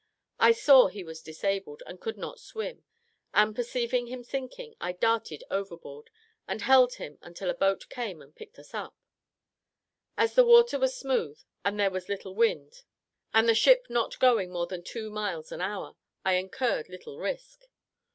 I saw he was disabled, and could not swim: and, perceiving him sinking, I darted overboard, and held him until a boat came and picked us up; as the water was smooth, and there was little wind, and the ship not going more than two miles an hour, I incurred little risk.